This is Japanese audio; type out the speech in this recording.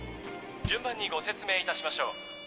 順番にご説明いたしましょう。